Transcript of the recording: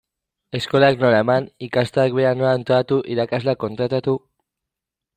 Eskolak nola eman, ikastola bera nola antolatu, irakasleak kontratatu...